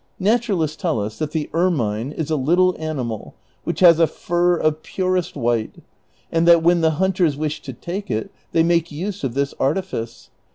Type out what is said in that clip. Naturalists tell us that the ermine is a little animal which has a fur of j^urest white, and that when the hunters wish to take it, they make use of this artifice.